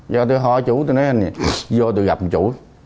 vô tôi hỏi chú tôi nói anh này vô tôi gặp một chú